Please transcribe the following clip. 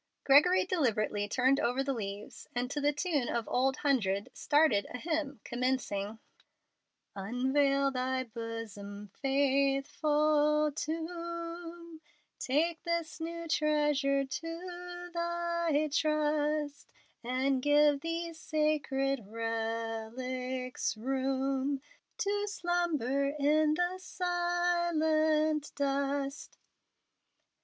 Gregory deliberately turned over the leaves, and to the tune of Old Hundred started a hymn commencing: "Unveil thy bosom, faithful tomb, Take this new treasure to thy trust, And give these sacred relics room To slumber in the silent dust."